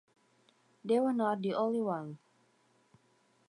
They were not the only ones.